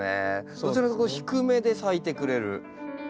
どちらかというと低めで咲いてくれる。